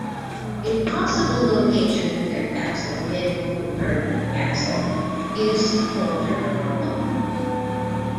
A possible location for their castle, Midculter Castle, is Coulter Motte.